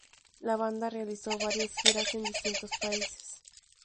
La banda realizó varias giras en distintos países.